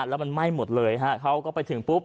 แล้วมันไหม้หมดเลยฮะเขาก็ไปถึงปุ๊บ